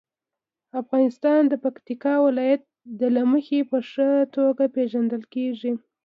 افغانستان د پکتیکا د ولایت له مخې په ښه توګه پېژندل کېږي.